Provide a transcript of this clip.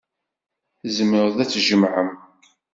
Tzemrem ad tt-tjemɛem.